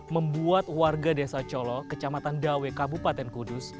membuat warga desa colo kecamatan dawe kabupaten kudus